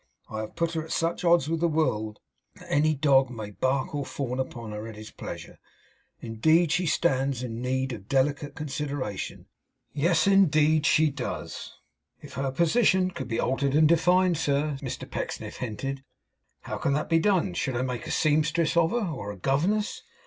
I have put her at such odds with the world, that any dog may bark or fawn upon her at his pleasure. Indeed she stands in need of delicate consideration. Yes; indeed she does!' 'If her position could be altered and defined, sir?' Mr Pecksniff hinted. 'How can that be done? Should I make a seamstress of her, or a governess?